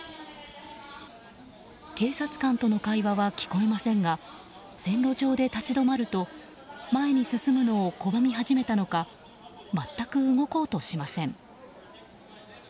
警察官との会話は聞こえませんが線路上で立ち止まると前に進むのを拒み始めたのか全く動こうとしません。